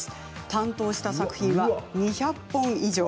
担当した作品は２００本以上。